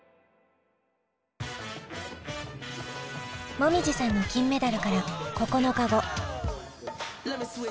もみじさんの金メダルから９日後。